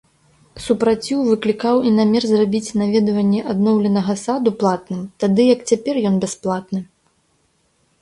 Супраціў выклікаў і намер зрабіць наведванне адноўленага саду платным, тады як цяпер ён бясплатны.